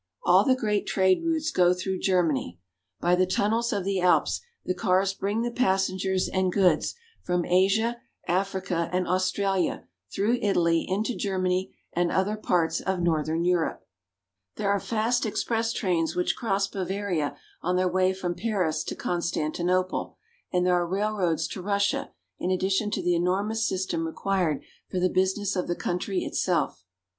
All the great trade routes go through Germany. By the tunnels of the Alps the cars bring the passengers and goods from Asia, Africa, and Australia through Italy into Germany and other parts of northern Europe; There are fast express trains which cross Bavaria on their way from Paris to Constantinople, and there are railroads to Russia, in addition to the enormous system required for the busi ness of the country itself.